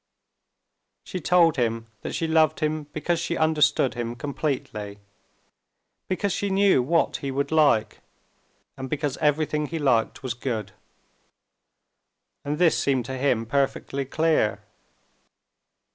She told him that she loved him because she understood him completely, because she knew what he would like, and because everything he liked was good. And this seemed to him perfectly clear.